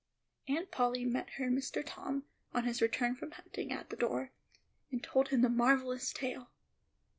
Aunt Polly met her Mr. Tom, on his return from hunting, at the door, and told him the marvellous tale.